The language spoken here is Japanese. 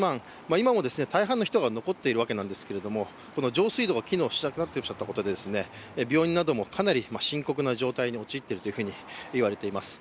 今も大半の人が残っているわけなんですけれども上水道が機能しなくなってきてしまったことで病院などもかなり深刻な状態に陥っていると言われています。